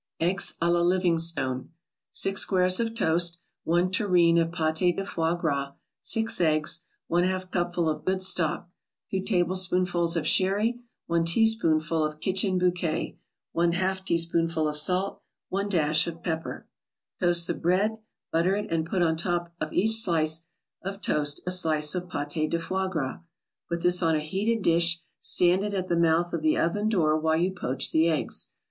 EGGS A LA LIVINGSTONE 6 squares of toast 1 tureen of pate de foie gras 6 eggs 1/2 cupful of good stock 2 tablespoonfuls of sherry 1 teaspoonful of kitchen bouquet 1/2 teaspoonful of salt 1 dash of pepper Toast the bread, butter it and put on top of each slice of toast a slice of pate de foie gras; put this on a heated dish, stand it at the mouth of the oven door while you poach the eggs.